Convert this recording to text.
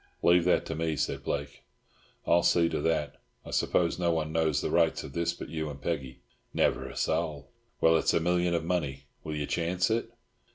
"Leave that to me," said Blake. "I'll see to that. I suppose no one knows the rights of this but you and Peggy!" "Never a soul." "Well, it's a million of money. Will you chance it?"